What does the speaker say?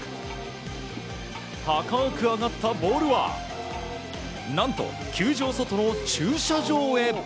高く上がったボールは何と球場外の駐車場へ。